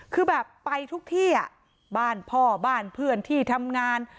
คือแบบไปทุกที่อ่ะบ้านพ่อบ้านเพื่อนที่ทำงาน